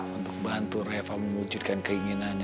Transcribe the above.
untuk bantu reva mewujudkan keinginannya